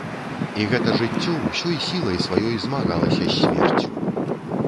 І гэта жыццё ўсёй сілай сваёй змагалася з смерцю.